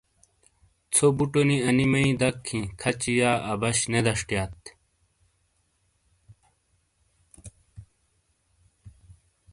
ژھو بُٹو نی انی میئی دَک ہِیں کھچی یا عبش نے دشٹیات۔